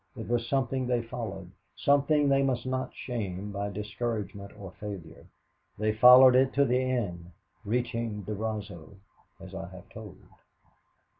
It was something they followed something they must not shame by discouragement or failure. They followed it to the end, reaching Durazzo, as I have told.